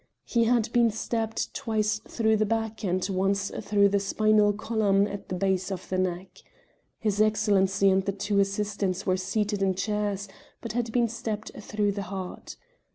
He had been stabbed twice through the back and once through the spinal column at the base of the neck. His Excellency and the two assistants were seated in chairs, but had been stabbed through the heart.